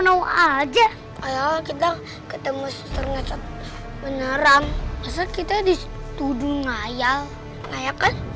nol aja ayolah kita ketemu setengah saat menerang masa kita disitu dunia ayal ayakan